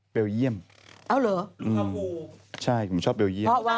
เบลเยี่ยมใช่ผมชอบเบลเยี่ยม